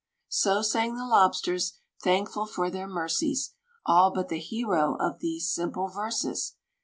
So sang the Lobsters, thankful for their mercies, All but the hero of these simple verses.